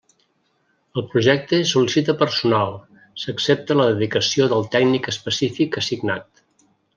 El projecte sol·licita personal, s'accepta la dedicació del tècnic específic assignat.